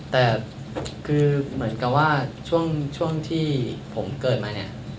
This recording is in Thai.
แต่คือเหมือนกับว่าช่วงที่ผมเกิดมาเนี่ย